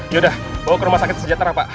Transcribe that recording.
ya sudah bawa ke rumah sakit sejahtera pak